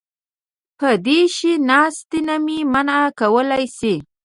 پو دې شي ناستې نه مې منع کولی شي.